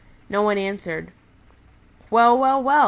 No one answered. "Well, well, well!"